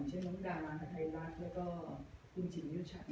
เช่นน้องดามาฮะไทรรักษ์แล้วก็คุณฉินยุชักเนี่ย